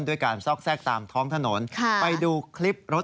เดี๋ยวจะเล่าให้ฟังกันต่อเลยน่ะครับ